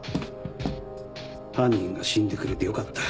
犯人が死んでくれてよかった。